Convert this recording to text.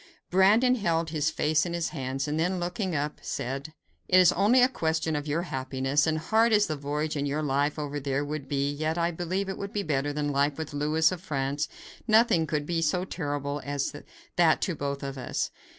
Brandon held his face in his hands, and then looking up said: "It is only a question of your happiness, and hard as the voyage and your life over there would be, yet I believe it would be better than life with Louis of France; nothing could be so terrible as that to both of us.